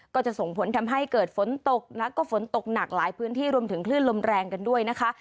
ก็จะส่งผลทำให้เกิดฝนตกแล้วก็ฝนตกหนักหลายพื้นที่รวมถึงคลื่นลมแรงกันด้วยนะคะ